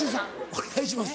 お願いします。